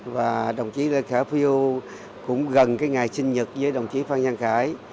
và đồng chí lê khả phiêu cũng gần cái ngày sinh nhật với đồng chí phan giang khải